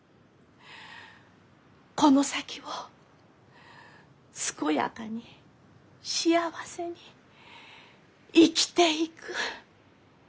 この先を健やかに幸せに生きていく。